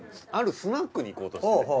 あるスナックに行こうとしてて。